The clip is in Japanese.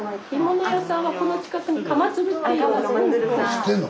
知ってんの？